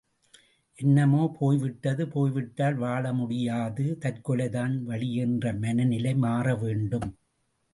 என்னமோ போய்விட்டது போய் விட்டால் வாழ முடியாது தற்கொலைதான் வழி என்ற மன நிலை மாறவேண்டும்.